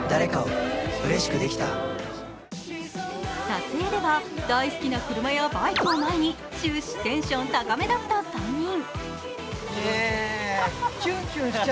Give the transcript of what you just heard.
撮影では、大好きな車やバイクを前に終始テンション高めだった３人。